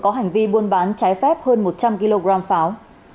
có hành vi buôn bán trái phép hơn một trăm linh kg pháo